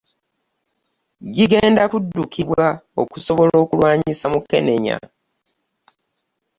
Gigenda kuddukibwa okusobola okulwanyisa Mukenenya